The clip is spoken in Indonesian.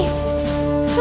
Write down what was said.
lalu aku menjegahnya